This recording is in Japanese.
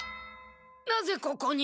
なぜここに！？